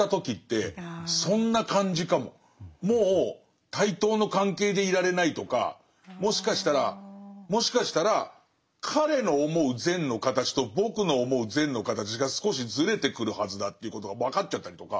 もう対等の関係でいられないとかもしかしたらもしかしたら彼の思う善の形と僕の思う善の形が少しずれてくるはずだということが分かっちゃったりとか。